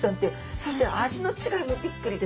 そして味の違いもびっくりですね。